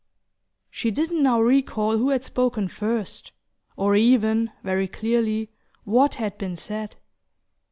She didn't now recall who had spoken first, or even, very clearly, what had been said.